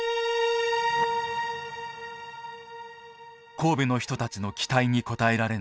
「神戸の人たちの期待に応えられない」。